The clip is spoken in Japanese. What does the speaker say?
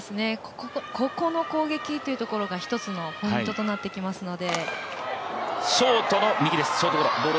ここの攻撃というところが一つのポイントとなってきますので。